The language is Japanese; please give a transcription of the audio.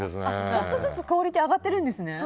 ちょっとずつ、クオリティー上がってるんですね。